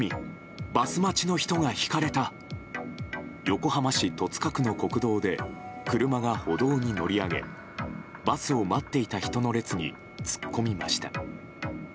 横浜市戸塚区の国道で車が歩道に乗り上げバスを待っていた人の列に突っ込みました。